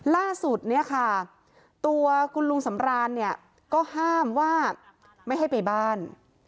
ล่าสุดเนี่ยค่ะตัวคุณลุงสำรานเนี่ยก็ห้ามว่าไม่ให้ไปบ้าน